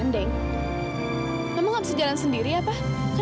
dan tolong jangan lakukan